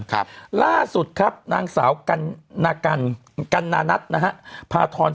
ครับล่าสุดครับนางสาวกันนากันกันนานัทนะฮะพาทร